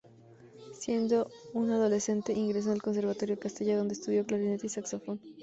Siendo un adolescente, ingresó en el Conservatorio Castella, donde estudió clarinete y saxofón.